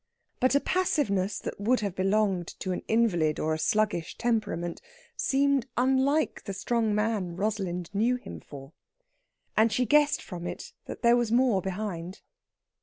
But a passiveness that would have belonged to an invalid or a sluggish temperament seemed unlike the strong man Rosalind knew him for, and she guessed from it that there was more behind.